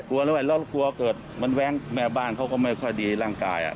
ด้วยแล้วกลัวเกิดมันแว้งแม่บ้านเขาก็ไม่ค่อยดีร่างกาย